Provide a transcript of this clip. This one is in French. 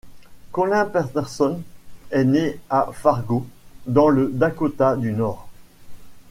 Collin Peterson est né à Fargo, dans le Dakota du Nord.